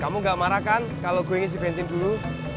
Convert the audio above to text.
kamu gak marah kan kalau gue ngisi bensin dulu